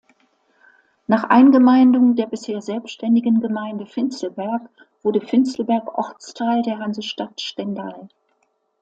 Nach Eingemeindung der bisher selbstständigen Gemeinde Vinzelberg wurde Vinzelberg Ortsteil der Hansestadt Stendal.